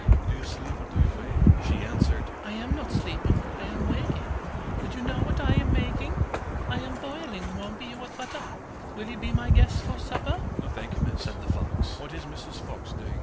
Do you sleep or do you wake?' She answered: 'I am not sleeping, I am waking, Would you know what I am making? I am boiling warm beer with butter, Will you be my guest for supper?' 'No, thank you, miss,' said the fox, 'what is Mrs Fox doing?